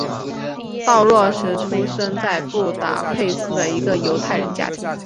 道洛什出生在布达佩斯一个犹太人家庭。